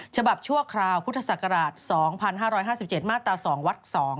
ชั่วคราวพุทธศักราช๒๕๕๗มาตรา๒วัก๒